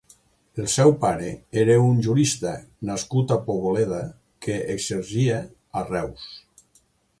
El seu pare era un jurista nascut a Poboleda que exercia a Reus.